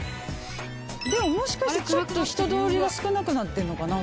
でももしかしてちょっと人通りが少なくなってんのかな？